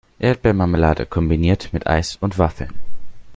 Erdbeermarmelade kombiniert mit Eis und Waffeln.